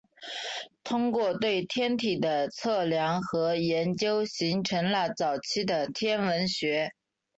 通过对天体的测量和研究形成了早期的天文学。